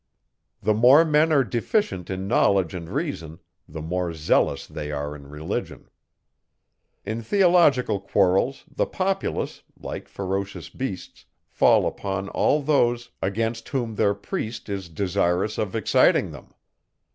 The more men are deficient in knowledge and reason, the more zealous they are in religion. In theological quarrels, the populace, like ferocious beasts, fall upon all those, against whom their priest is desirous of exciting them.